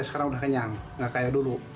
sekarang sudah kenyang tidak seperti dulu